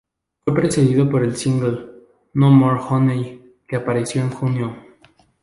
Fue precedido por el single "No More Honey" que apareció en junio.